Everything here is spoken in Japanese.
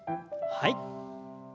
はい。